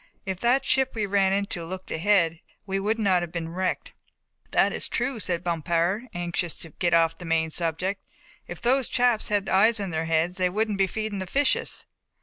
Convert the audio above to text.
If that ship we ran into had looked ahead we would not have been wrecked." "That is true," said Bompard, anxious to get off the main subject. "If those chaps had eyes in their heads they wouldn't be feeding the fishes."